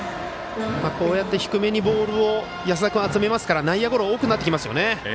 こうやって低めにボールを安田君は集めますから内野ゴロ、多くなってきますよね。